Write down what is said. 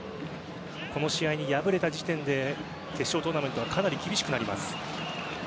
この試合に敗れた時点で決勝トーナメントはかなり厳しくなります。